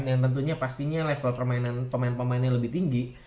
yang tentunya pastinya level pemain pemainnya lebih tinggi